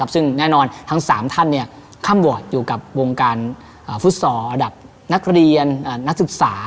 ซึ่งแน่นอนทั้ง๓ท่านข้ามวอร์ดอยู่กับวงการฟุตซอลระดับนักเรียนนักศึกษา